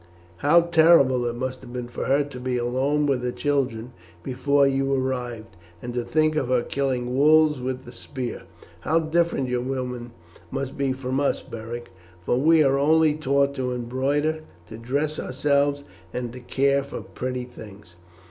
How terrible it must have been for her to be alone with her children before you arrived, and to think of her killing wolves with the spear. How different your women must be from us, Beric, for we are only taught to embroider, to dress ourselves, and to care for pretty things.